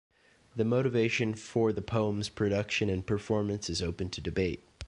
The motivation for the poem's production and performance is open to debate.